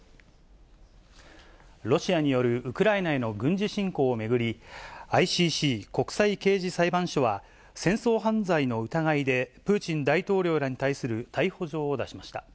ロシアによるウクライナへの軍事侵攻を巡り、ＩＣＣ・国際刑事裁判所は、戦争犯罪の疑いで、プーチン大統領らに対する逮捕状を出しました。